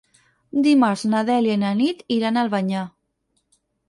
Dimarts na Dèlia i na Nit iran a Albanyà.